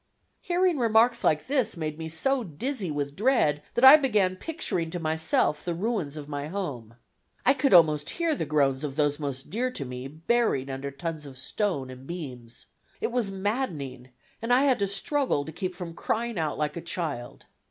Hearing remarks like this made me so dizzy with dread that I began picturing to myself the ruins of my home. I could almost hear the groans of those most dear to me buried under tons of stone and beams, It was maddening, and I had to struggle some to keep from crying out like a child.